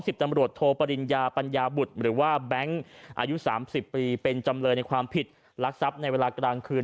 ตำรวจโทปริญญาปัญญาบุตรหรือว่าแบงค์อายุ๓๐ปีเป็นจำเลยในความผิดลักทรัพย์ในเวลากลางคืน